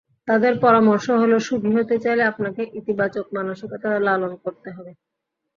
তাঁদের পরামর্শ হলো, সুখী হতে চাইলে আপনাকে ইতিবাচক মানসিকতা লালন করতে হবে।